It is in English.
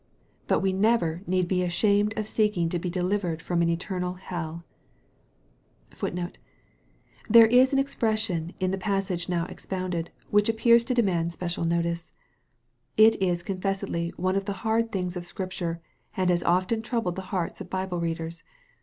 But we never need be ashamed of seeking to be delivered from an eternal hell.* * There is an expression in the passage now expounded, "which appears to demand special notice. It is confessedly one of the hard things of Scripture, and has often troubled the hearts of Bible readers.